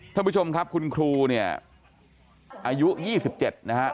ท่านผู้ชมครับคุณครูเนี่ยอายุยี่สิบเจ็ดนะครับ